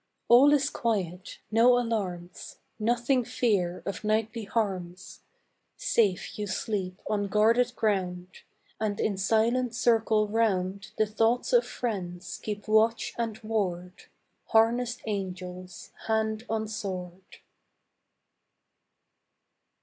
All is quiet, no alarms; Nothing fear of nightly harms. Safe you sleep on guarded ground, And in silent circle round The thoughts of friends keep watch and ward, Harnessed angels, hand on sword.